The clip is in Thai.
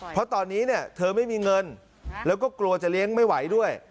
เพราะตอนนี้เนี่ยเธอไม่มีเงินแล้วก็กลัวจะเลี้ยงไม่ไหวด้วย